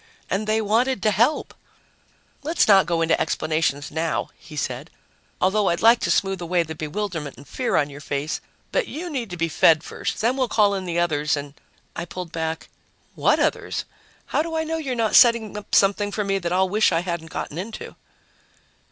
And they wanted to help! "Let's not go into explanations now," he said, "although I'd like to smooth away the bewilderment and fear on your face. But you need to be fed first. Then we'll call in the others and " I pulled back. "What others? How do I know you're not setting up something for me that I'll wish I hadn't gotten into?"